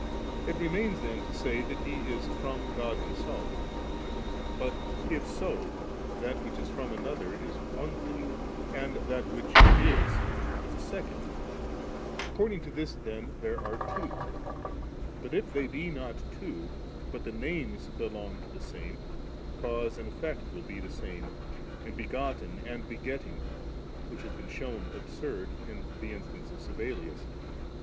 It remains then to say that He is from God Himself; but if so, that which is from another is one thing, and that from which it is, is a second ; accord ing to this then there are twa But if they be not two, but the names belong to the same, cause and effect will be the same, and begotten and begetting, which has been shewn absurd in Ae instance of Sabellius.